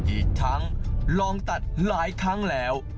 อีกทั้งลองตัดหลายครั้งแล้ว